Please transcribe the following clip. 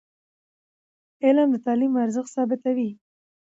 علم د تعلیم ارزښت ثابتوي.